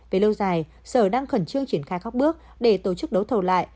về lâu dài sở đang khẩn trương triển khai các bước để tổ chức đấu thầu lại